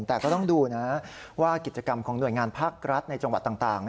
แต่ก็ต้องดูนะว่ากิจกรรมของหน่วยงานภาครัฐในจังหวัดต่าง